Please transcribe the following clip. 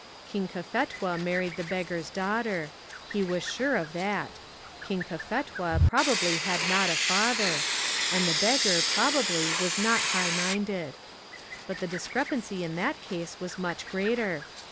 King Cophetua married the beggar's daughter. He was sure of that. King Cophetua probably had not a father; and the beggar, probably, was not high minded. But the discrepancy in that case was much greater.